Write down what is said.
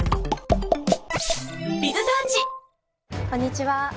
こんにちは。